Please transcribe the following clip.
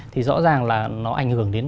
thì rõ ràng là nó ảnh hưởng đến